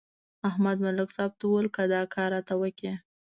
احمد ملک صاحب ته ویل: که دا کار راته وکړې.